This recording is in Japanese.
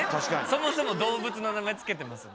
そもそも動物の名前付けてます。